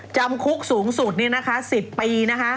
จำคุกสูงสุดนี่นะคะ๑๐ปีนะคะ